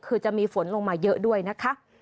คือจะมีฝนลงมาเยอะด้วยนะคะ